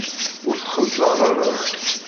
Ur t-xeẓẓer ara!